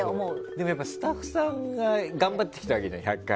でもやっぱり、スタッフさんが頑張ってきたわけじゃん１００回。